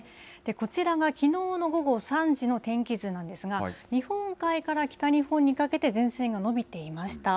こちらがきのうの午後３時の天気図なんですが、日本海から北日本にかけて、前線が延びていました。